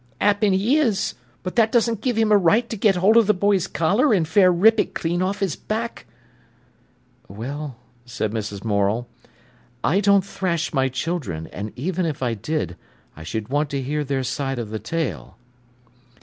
"'Appen 'e is, but that doesn't give him a right to get hold of the boy's collar, an' fair rip it clean off his back." "Well," said Mrs. Morel, "I don't thrash my children, and even if I did, I should want to hear their side of the tale."